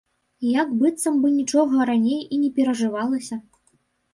Як быццам бы нічога раней і не перажывалася.